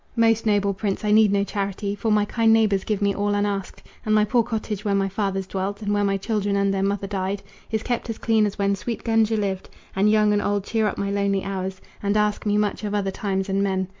"Most noble prince, I need no charity, For my kind neighbors give me all unasked, And my poor cottage where my fathers dwelt, And where my children and their mother died, Is kept as clean as when sweet Gunga lived; And young and old cheer up my lonely hours, And ask me much of other times and men.